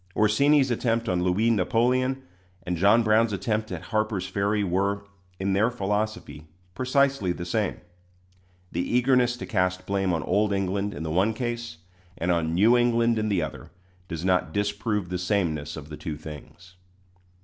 Orsini's attempt on Louis Napoleon and John Brown's attempt at Harper's Ferry were, in their philosophy, precisely the same. The eagerness to cast blame on old England in the one case and on New England in the other, does not disprove the sameness of the two things.